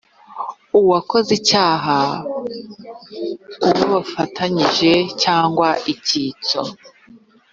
uwakoze icyaha uwo bafatanyije cyangwa icyitso